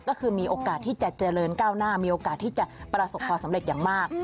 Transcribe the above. ก็คือมีโอกาสที่จะเจริญก้าวหน้ามีโอกาสที่จะประสบความสำเร็จอย่างมาก